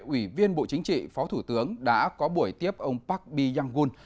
ủy viên bộ chính trị phó thủ tướng đã có buổi tiếp ông park bi yang gun